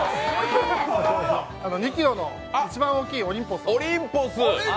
２ｋｇの市場尾大きいオリンポス。